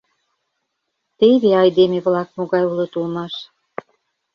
Теве айдеме-влак могай улыт улмаш.